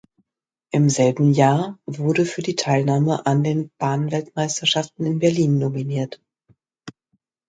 Im selben Jahr wurde für die Teilnahme an den Bahnweltmeisterschaften in Berlin nominiert.